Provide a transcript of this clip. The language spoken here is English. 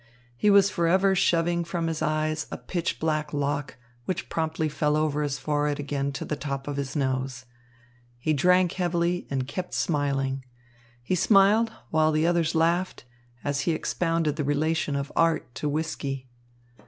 He was forever shoving from his eyes a pitch black lock, which promptly fell over his forehead again to the top of his nose. He drank heavily and kept smiling. He smiled, while the others laughed as he expounded the relation of art to whisky.